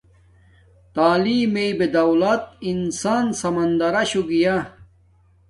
تعیلم میے بدولت انسان سمندراشو گیا